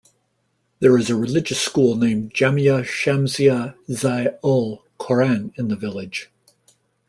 There is a religious school named Jamia Shamsia Zia Ul Quran in the village.